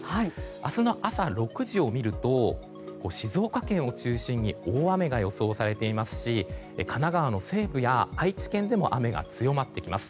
明日の朝６時を見ると静岡県を中心に大雨が予想されていますし神奈川の西部や愛知県でも雨が強まってきます。